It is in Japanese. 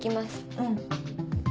うん。